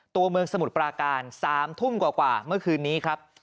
ตัวเมืองสมุทรปราการ๓ทุ่มกว่าเมื่อคืนนี้ครับ